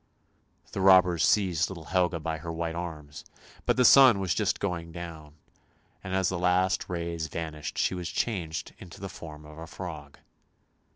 The robbers seized little Helga by her white arms, but the sun was just going down, and as the last rays vanished she was changed into the form of a frog.